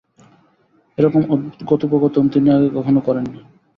এ-রকম অদ্ভুত কথোপকথন তিনি আগে কখনো করেন নি।